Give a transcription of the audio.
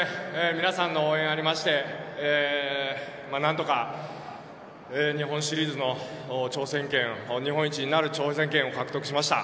皆さんの応援ありまして何とか日本シリーズの挑戦権を日本一になる挑戦権を獲得しました。